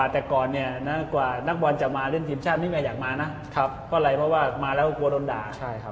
แต่ก่อนกว่านักบอลจะมาเล่นทีมชาตินี้แม่อยากมานะเพราะอะไรเพราะว่ามาแล้วกลัวโดนด่า